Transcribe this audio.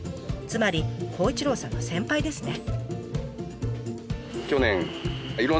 つまり孝一郎さんの先輩ですね。